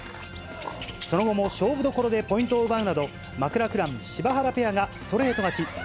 その後も勝負どころでポイントを奪うなど、マクラクラン・柴原ペアがストレート勝ち。